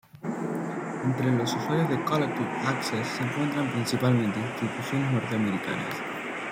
Entre los usuarios de Collective Access se encuentran principalmente instituciones norteamericanas.